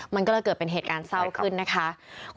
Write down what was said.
มันก็เลยเกิดเป็นเหตุการณ์เศร้าขึ้นนะคะ